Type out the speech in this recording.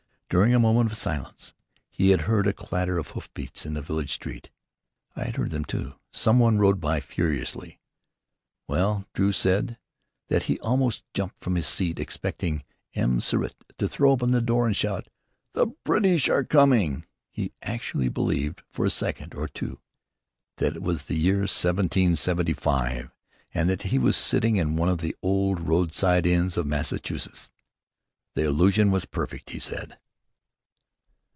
During a moment of silence, he had heard a clatter of hoof beats in the village street. (I had heard them too. Some one rode by furiously.) Well, Drew said that he almost jumped from his seat, expecting M. Ciret to throw open the door and shout, "The British are coming!" He actually believed for a second or two that it was the year 1775, and that he was sitting in one of the old roadside inns of Massachusetts. The illusion was perfect, he said.